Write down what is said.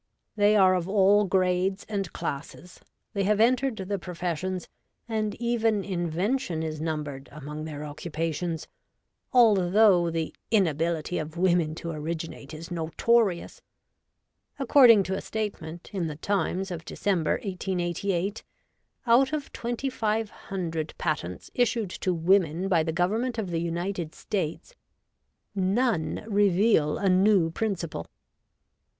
They are of all grades and classes ; they have entered the professions, and even invention is numbered among their occupations, although the inability of women to originate is notorious. Accord ing to a statement in the Times of December, 1888, ; out of 2500 patents issued to women by the Government of the United States, none reveal a new principle.'